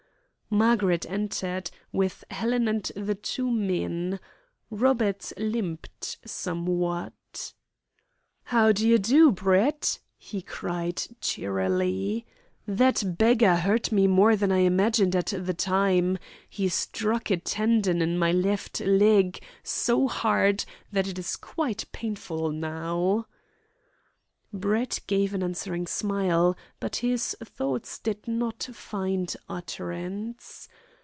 Margaret entered, with Helen and the two men. Robert limped somewhat. "How d'ye do, Brett?" he cried cheerily. "That beggar hurt me more than I imagined at the time. He struck a tendon in my left leg so hard that it is quite painful now." Brett gave an answering smile, but his thoughts did not find utterance.